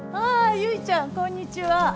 ああ結ちゃんこんにちは。